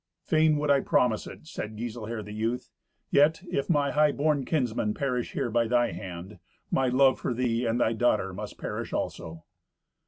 "Fain would I promise it," said Giselher the youth. "Yet if my high born kinsmen perish here by thy hand, my love for thee and thy daughter must perish also."